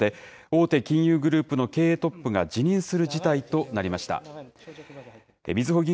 頭取も交代する方向で、大手金融グループの経営トップが辞任する事態となりました。